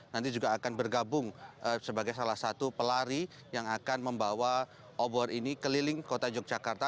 nanti juga akan bergabung sebagai salah satu pelari yang akan membawa obor ini keliling kota yogyakarta